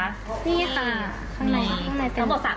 นี่ค่ะทั้งหมด๓ชั้น